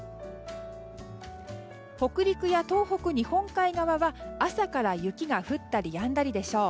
北陸や東北日本海側は朝から雪が降ったりやんだりでしょう。